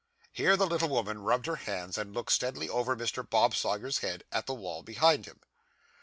Here the little woman rubbed her hands, and looked steadily over Mr. Bob Sawyer's head, at the wall behind him.